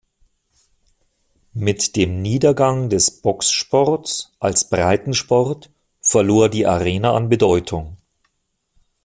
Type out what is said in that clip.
Mit dem Niedergang des Boxsports als Breitensport verlor die Arena an Bedeutung.